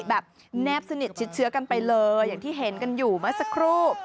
แนบสนิทชิดเชื้อกันไปเลยอย่างที่เห็นกันอยู่เมื่อสักครู่